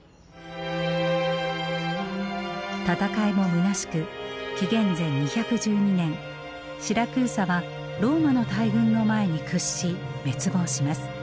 戦いもむなしく紀元前２１２年シラクーサはローマの大軍の前に屈し滅亡します。